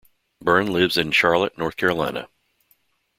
Byrne lives in Charlotte, North Carolina.